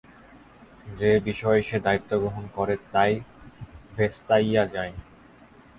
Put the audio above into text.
যে বিষয়ে সে দায়িত্ব গ্রহণ করে তাই ভেস্তাইয়া যায়।